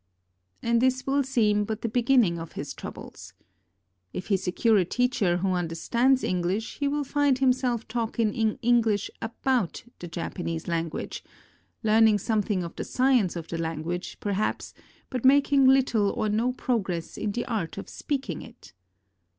And this will seem but the beginning of his troubles. If he secure a teacher who understands Enghsh, he will find himself talking in English about the Japanese lan guage; learning something of the science of the language, perhaps, but making little or no progress in the art of 448 HOW TO LEARN JAPANESE speaking it.